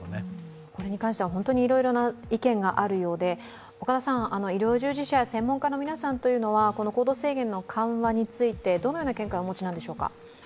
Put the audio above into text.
これに関しては、本当にいろいろな意見があるようで、医療従事者や専門家の皆さんは行動制限の緩和についてどのような見解をお持ちなんでしょうか？